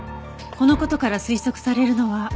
この事から推測されるのは。